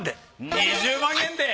２０万円で。